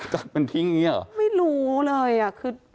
ตัดเป็นที่อย่างนี้หรอไม่รู้เลยคือ